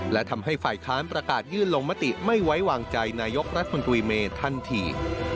และทำให้ฝ่ายค้านประกาศยื่นลงมติไม่ไว้วางใจนายกรัฐมนตรีเมทันที